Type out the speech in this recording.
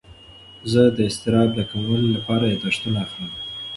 زه د اضطراب د کمولو لپاره یاداښتونه اخلم.